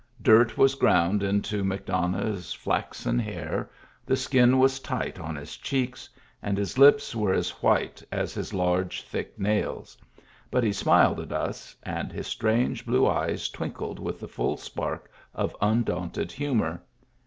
Dirt was ground into McDonough's flaxen hair, the skin was tight on his cheeks, and his lips were as white as his large, thick nails ; but he smiled at us, and his strange blue eyes twinkled with the full spark of undaunted humor.